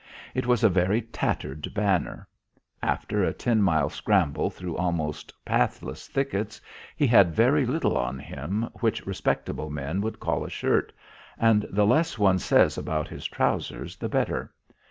It was a very tattered banner. After a ten mile scramble through almost pathless thickets, he had very little on him which respectable men would call a shirt, and the less one says about his trousers the better.